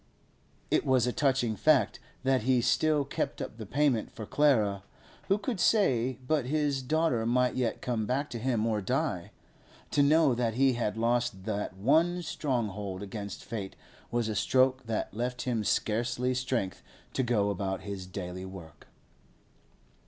It was a touching fact that he still kept up the payment for Clara; who could say but his daughter might yet come back to him to die? To know that he had lost that one stronghold against fate was a stroke that left him scarcely strength to go about his daily work.